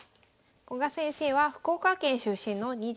古賀先生は福岡県出身の２２歳。